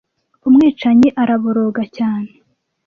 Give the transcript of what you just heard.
umwicanyi araboroga cyane